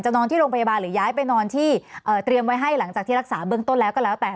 นอนที่โรงพยาบาลหรือย้ายไปนอนที่เตรียมไว้ให้หลังจากที่รักษาเบื้องต้นแล้วก็แล้วแต่